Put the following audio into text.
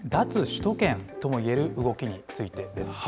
首都圏とも言える動きについてです。